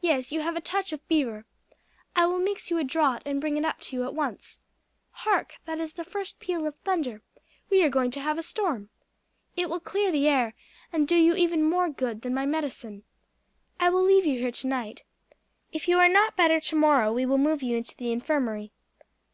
Yes, you have a touch of fever. I will mix you a draught and bring it up to you at once. Hark! that is the first peal of thunder; we are going to have a storm. It will clear the air, and do you even more good than my medicine. I will leave you here for tonight; if you are not better tomorrow we will move you into the infirmary."